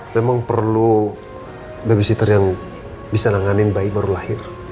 memang perlu babysitter yang bisa nanganin bayi baru lahir